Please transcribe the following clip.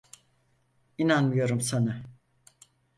İnanmıyorum sana.